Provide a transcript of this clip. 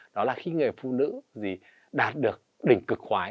đó là khi người phụ nữ gì đạt được đỉnh cực khoái